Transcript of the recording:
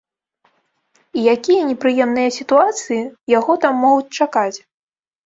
І якія непрыемныя сітуацыі яго там могуць чакаць?